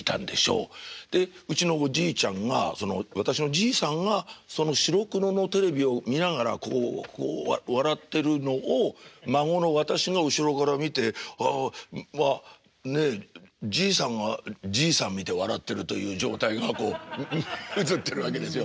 でうちのおじいちゃんがその私のじいさんがその白黒のテレビを見ながらこう笑ってるのを孫の私が後ろから見てああわっねえじいさんがじいさん見て笑ってるという状態がこう映ってるわけですよ。